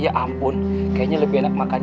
ya ampun kayaknya lebih enak makan